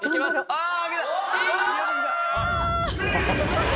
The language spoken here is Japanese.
ああ！